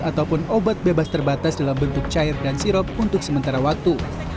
ataupun obat bebas terbatas dalam bentuk cair dan sirop untuk sementara waktu